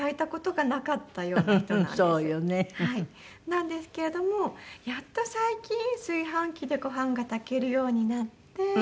なんですけれどもやっと最近炊飯器でご飯が炊けるようになって。